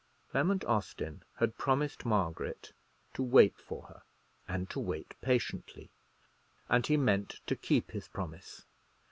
Clement Austin had promised Margaret to wait for her, and to wait patiently; and he meant to keep his promise.